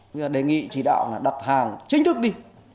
bây giờ đề nghị chỉ đạo là đặt hàng chính thức đi